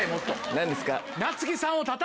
何ですか？